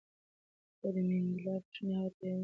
خو د منډېلا بښنې هغه ته یو نوی ژوند او درس ورکړ.